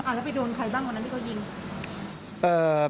แล้วไปโดนใครบ้างวันนั้นที่เขายิง